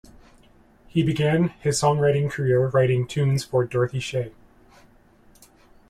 He began his songwriting career writing tunes for Dorothy Shay.